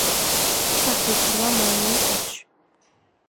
ჩასვით რვა მაიმუნი ყუთში.